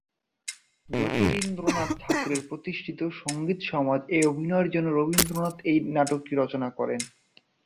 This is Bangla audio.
জ্যোতিরিন্দ্রনাথ ঠাকুরের প্রতিষ্ঠিত "সংগীত সমাজ"-এ অভিনয়ের জন্য রবীন্দ্রনাথ এই নাটকটি রচনা করেন।